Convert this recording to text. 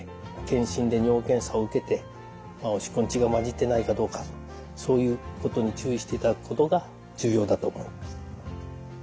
健診で尿検査を受けておしっこに血が混じってないかどうかそういうことに注意していただくことが重要だと思います。